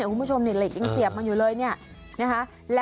คุณผู้ชมเหล็กยังเสียบมันอยู่เลยนะฮะ